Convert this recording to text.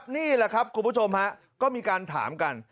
นี่แหละครับคุณผู้ชมฮะก็มีการถามกัน